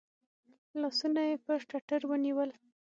لاسونه یې پر ټتر ونیول .